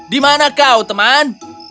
di mana kau teman